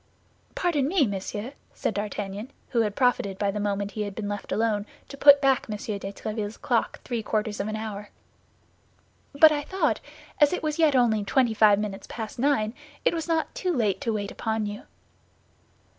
"Pardon me, monsieur," said D'Artagnan, who had profited by the moment he had been left alone to put back M. de Tréville's clock three quarters of an hour, "but I thought, as it was yet only twenty five minutes past nine, it was not too late to wait upon you."